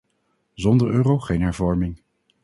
Zonder euro geen hervorming.